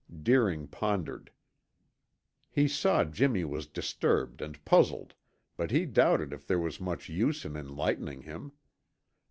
Deering pondered. He saw Jimmy was disturbed and puzzled, but he doubted if there was much use in enlightening him.